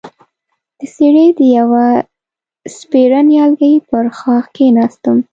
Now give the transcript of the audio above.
د څېړۍ د يوه سپېره نيالګي پر ښاخ کېناستم،